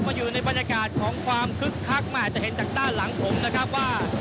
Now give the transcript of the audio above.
ก็อยู่ในบรรยากาศของความคึกคักมาอาจจะเห็นจากด้านหลังผมนะครับว่า